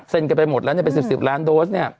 กันไปหมดแล้วเป็น๑๐ล้านโดสเนี่ย